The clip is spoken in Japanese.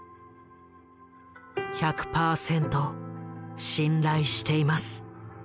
「１００％信頼しています！